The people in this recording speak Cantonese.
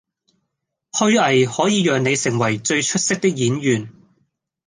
虛偽可以讓你成為最出色的演員